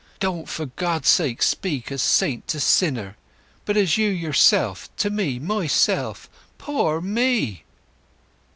Don't for God's sake speak as saint to sinner, but as you yourself to me myself—poor me!"